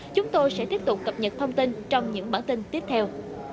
chúng tôi sẽ tiếp tục cập nhật thông tin trong những bản tin tiếp theo